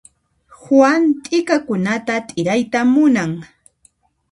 Juan t'ikakunata t'irayta munan.